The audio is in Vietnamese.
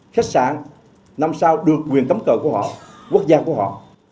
khách sạn năm sao được quyền cấm cờ của họ quốc gia của họ